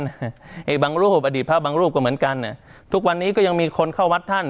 อีกบางรูปอดีตพระบางรูปก็เหมือนกันทุกวันนี้ก็ยังมีคนเข้าวัดท่าน